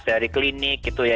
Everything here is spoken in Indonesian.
dari klinik gitu ya